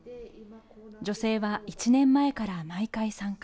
女性は１年前から毎回参加。